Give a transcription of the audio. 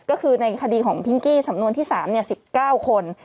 ก็คือในคดีของพิงกี้สำนวนที่๓๑๙คน